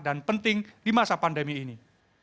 dan penting di masa pandemi ini